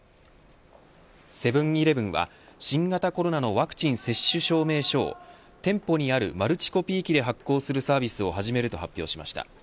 セブン‐イレブンは新型コロナのワクチン接種証明書を店舗にあるマルチコピー機で発行するサービスを始めると発表しました。